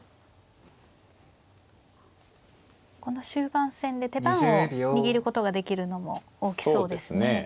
この終盤戦で手番を握ることができるのも大きそうですね。